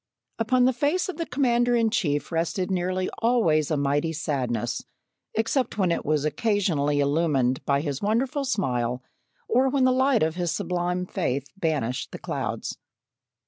Upon the face of the Commander in chief rested nearly always a mighty sadness, except when it was occasionally illumined by his wonderful smile, or when the light of his sublime faith banished the clouds.